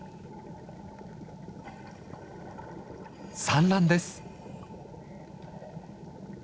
産卵です。